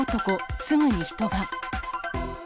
すぐに人が。